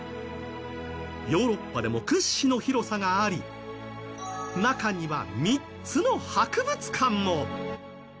ヨーロッパでも屈指の広さがあり中には３つの博物館も。